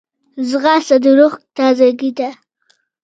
ځغاسته د روح تازګي ده